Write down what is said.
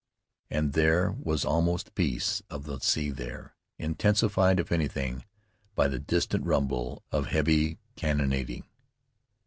And there was almost the peace of the sea there, intensified, if anything, by the distant rumble of heavy cannonading.